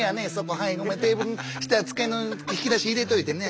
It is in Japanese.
はいテーブルの下机の引き出し入れといてね。